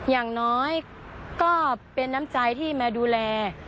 อย่างน้อยก็เป็นน้ำใจที่มาดูแล